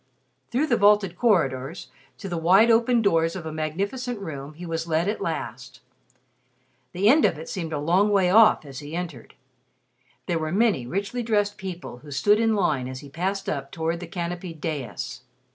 Through the vaulted corridors, to the wide opened doors of a magnificent room he was led at last. The end of it seemed a long way off as he entered. There were many richly dressed people who stood in line as he passed up toward the canopied dais.